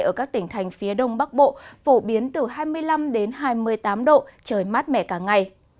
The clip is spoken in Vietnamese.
ở các tỉnh thành phía đông bắc bộ phổ biến từ hai mươi năm đến hai mươi tám độ trời mát mẻ cả ngày